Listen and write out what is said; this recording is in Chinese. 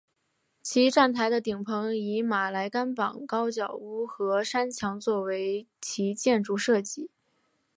其站台的顶棚以马来甘榜高脚屋和山墙作为其建筑设计。